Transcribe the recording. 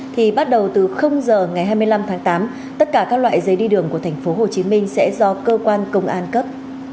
thì bắt đầu từ giờ ngày hai mươi năm tháng tám tất cả các loại giấy đi đường của tp hcm sẽ do cơ quan công an cấp